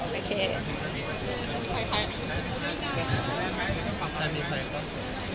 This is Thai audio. มีไฟกล้อง